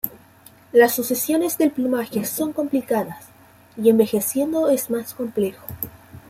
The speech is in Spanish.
Las sucesiones del plumaje son complicadas, y envejeciendo es más complejo.